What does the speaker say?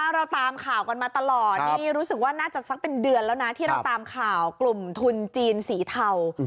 เราตามข่าวกันมาตลอดนี่รู้สึกว่าน่าจะสักเป็นเดือนแล้วนะที่เราตามข่าวกลุ่มทุนจีนสีเทา